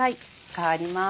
代わります。